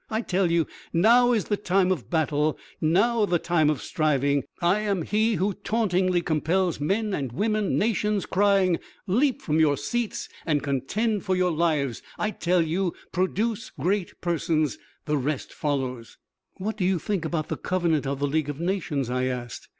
I tell you, now is the time of battle, now the time of striving. I am he who tauntingly compels men, women, nations, crying, 'Leap from your seats and contend for your lives!' I tell you, produce great Persons; the rest follows." "What do you think about the covenant of the League of Nations?" I asked.